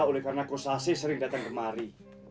oleh karena kosasi sering datang kemari